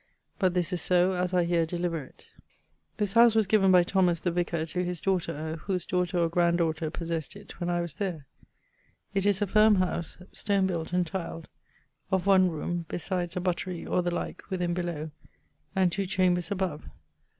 But this is so, as I here deliver it. This house was given by Thomas, the vicar, to his daughter[XCVII.] ... whose daughter or granddaughter possessed it, when I was there.It is a firme house, stone built and tiled, of one roome (besides a buttery, or the like, within) below, and two chambers above.